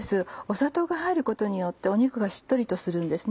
砂糖が入ることによって肉がしっとりとするんですね。